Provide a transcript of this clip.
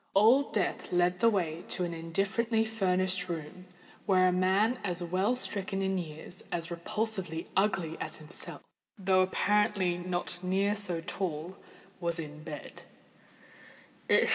Old Death led the way to an indifferently furnished room, where a man as well stricken in years and as repulsively ugly as himself, though apparently not near so tall, was in bed.